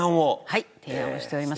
はい提案をしております。